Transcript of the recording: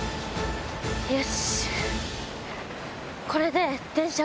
よし。